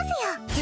え？